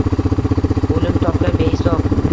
O’limtopgan behisob.